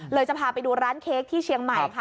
จะพาไปดูร้านเค้กที่เชียงใหม่ค่ะ